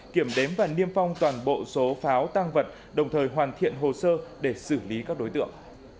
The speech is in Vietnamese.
kiểm đếm và niêm phong toàn bộ số pháo tăng vật đồng thời hoàn thiện hồ sơ để xử lý các đối tượng